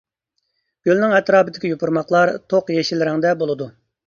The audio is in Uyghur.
گۈلنىڭ ئەتراپىدىكى يوپۇرماقلار توق يېشىل رەڭدە بولىدۇ.